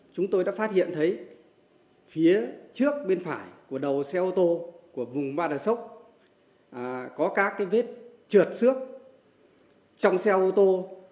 chúng tôi đã phát hiện thấy phía trước bên phải của đầu xe ô tô của vùng ba đà sốc có các vết trượt xước trong xe ô tô